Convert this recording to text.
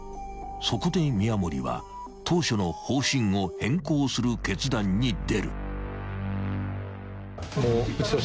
［そこで宮守は当初の方針を変更する決断に出る］